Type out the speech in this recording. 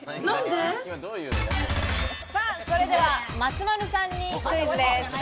それでは松丸さんにクイズです。